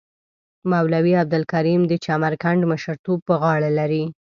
مولوی عبدالکریم د چمرکنډ مشرتوب پر غاړه لري.